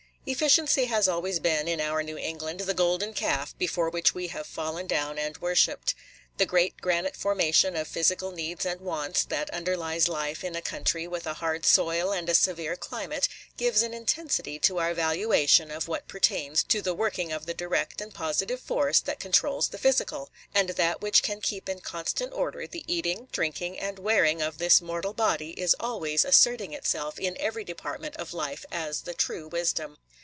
Efficiency has always been, in our New England, the golden calf before which we have fallen down and worshipped. The great granite formation of physical needs and wants that underlies life in a country with a hard soil and a severe climate gives an intensity to our valuation of what pertains to the working of the direct and positive force that controls the physical; and that which can keep in constant order the eating, drinking, and wearing of this mortal body is always asserting itself in every department of life as the true wisdom.